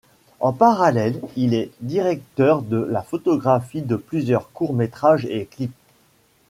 En parallèle, il est directeur de la photographie de plusieurs courts-métrages et clips.